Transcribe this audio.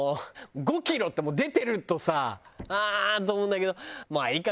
「５キロ」ってもう出てるとさああーと思うんだけどまあいいか。